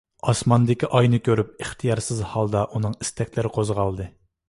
ئاسماندىكى ئاينى كۆرۈپ ئىختىيارسىز ھالدا ئۇنىڭ ئىستەكلىرى قوزغالدى.